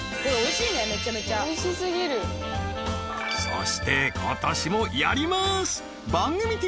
［そしてことしもやります］